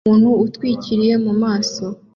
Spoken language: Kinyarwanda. Umuntu utwikiriye mu maso